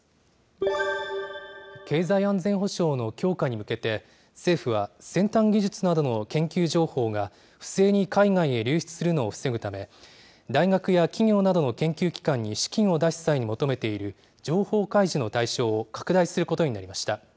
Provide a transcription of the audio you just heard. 経済安全保障の強化に向けて、政府は、先端技術などの研究情報が不正に海外へ流出するのを防ぐため、大学や企業などの研究機関に資金を出す際に求めている情報開示の対象を拡大することになりました。